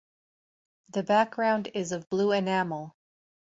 The background is of blue enamel.